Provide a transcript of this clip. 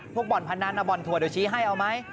บ่อนพนันบ่อนถั่วเดี๋ยวชี้ให้เอาไหม